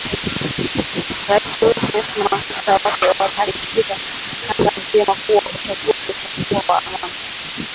Rais Uhuru Kenyatta na maafisa wake wameihakikishia kanda nzima kuwa uchaguzi utakuwa wa amani.